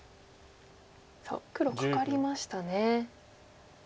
さあ黒カカりましたね。